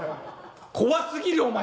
怖すぎるよお前。